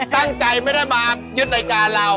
ตั้งใจไม่ได้มายึดรายการเรา